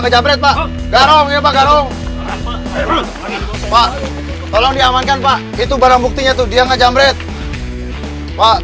garong garong tolong diamankan pak itu barang buktinya tuh dia ngejamret pak